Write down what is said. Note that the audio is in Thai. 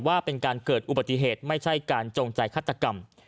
ว่าเป็นการเกิดอุบัติเหตุไม่ใช่การจงใจฆาตกรรม